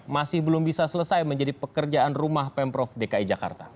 masih belum bisa selesai menjadi pekerjaan rumah pemprov dki jakarta